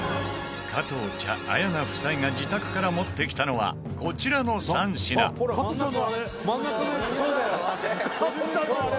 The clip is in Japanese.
加藤茶、綾菜夫妻が自宅から持ってきたのはこちらの３品富澤：加トちゃんのあれ！